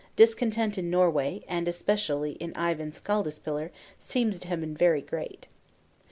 Discontent in Norway, and especially in Eyvind Skaldaspillir, seems to have been very great.